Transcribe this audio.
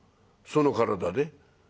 その体で？